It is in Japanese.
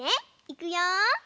いくよ。